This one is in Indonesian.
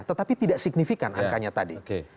tetapi tidak signifikan angkanya tadi